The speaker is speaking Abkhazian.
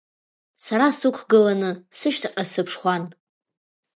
Сара сықәгыланы, сышьҭахьҟа сыԥшуан.